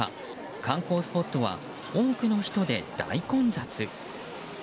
観光スポットは多くの人で大混雑。